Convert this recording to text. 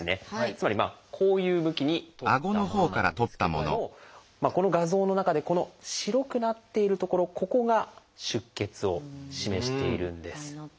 つまりこういう向きに撮ったものなんですけどもこの画像の中でこの白くなっている所ここが出血を示しているんです。